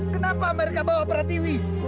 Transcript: kenapa mereka bawa pratiwi